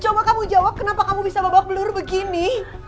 coba kamu jawab kenapa kamu bisa babak belur begini